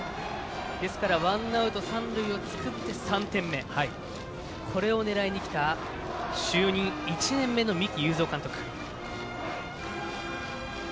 ですからワンアウト三塁を作ってこれを狙いにきた就任１年目の三木有造監督。